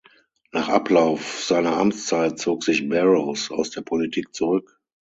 Nach Ablauf seiner Amtszeit zog sich Barrows aus der Politik zurück.